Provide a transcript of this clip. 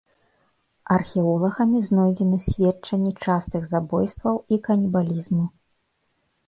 Археолагамі знойдзены сведчанні частых забойстваў і канібалізму.